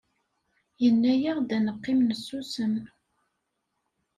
Yenna-aɣ-d ad neqqim nsusem.